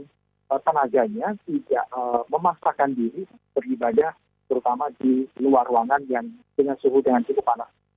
dan tenaganya tidak memaksakan diri beribadah terutama di luar ruangan yang punya suhu dengan cukup panas